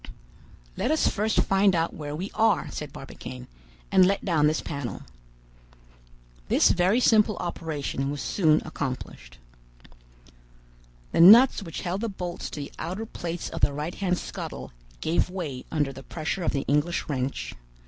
"Let us first find out where we are," said Barbicane, "and let down this panel." This very simple operation was soon accomplished. The nuts which held the bolts to the outer plates of the right hand scuttle gave way under the pressure of the English wrench.